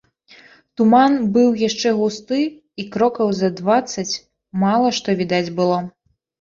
Туман быў яшчэ густы, і крокаў за дваццаць мала што відаць было.